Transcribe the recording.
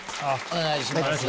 お願いします。